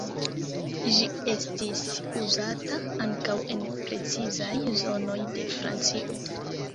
Ĝi estis uzata ankaŭ en precizaj zonoj de Francio.